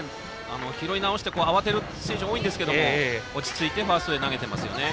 拾い直して慌てる選手が多いんですが落ち着いてファーストに投げています。